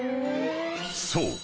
［そう。